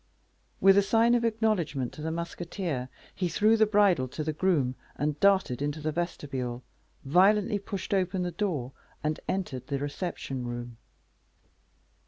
With a sign of acknowledgement to the musketeer, he threw the bridle to the groom, and darted into the vestibule, violently pushed open the door, and entered the reception room.